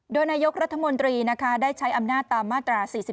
โดยนายกรัฐมนตรีได้ใช้อำนาจตามมาตรา๔๔